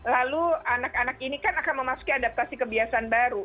lalu anak anak ini kan akan memasuki adaptasi kebiasaan baru